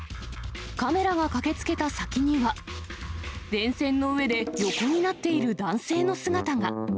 カメラが駆けつけた先には、電線の上で横になっている男性の姿が。